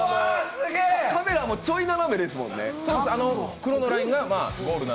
カメラもちょい斜めですもんね。